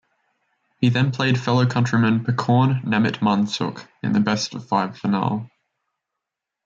He then played fellow countryman Pakorn Nemitrmansuk in the best-of-five final.